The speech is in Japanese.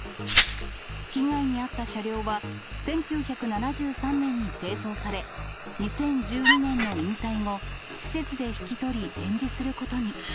被害に遭った車両は、１９７３年に製造され、２０１２年の引退後、施設で引き取り、展示することに。